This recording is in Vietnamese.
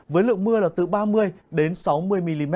với lượng mưa là từ ba mươi đến sáu mươi mm